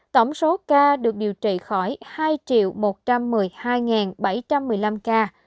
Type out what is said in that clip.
tổng số ca được điều trị khỏi hai một trăm một mươi hai bảy trăm một mươi năm ca